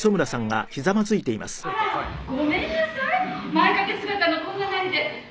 「前掛け姿のこんななりで」